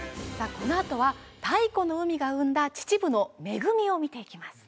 このあとは太古の海が生んだ秩父の恵みを見ていきます